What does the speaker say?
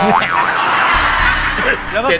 พี่ฟองอีก๑ดวงดาว